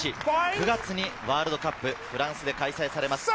９月にワールドカップ、フランスで開催されます。